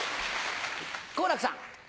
好楽さん。